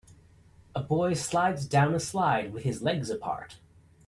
A boy slides down a slide with his legs apart.